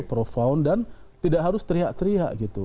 profound dan tidak harus teriak teriak gitu